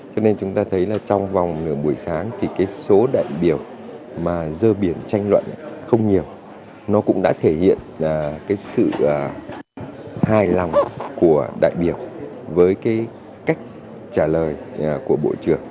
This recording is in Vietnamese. cho nên chúng ta thấy là trong vòng nửa buổi sáng thì số đại biểu mà dơ biển tranh luận không nhiều nó cũng đã thể hiện sự hài lòng của đại biểu với cách trả lời của bộ trưởng